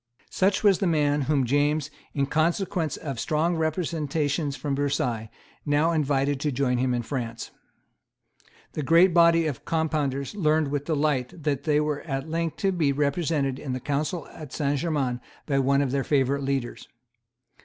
Such was the man whom James, in consequence of strong representations from Versailles, now invited to join him in France. The great body of Compounders learned with delight that they were at length to be represented in the Council at Saint Germains by one of their favourite leaders.